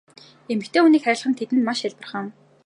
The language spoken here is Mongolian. Эмэгтэй хүнийг хайрлах нь тэдэнд маш хялбархан.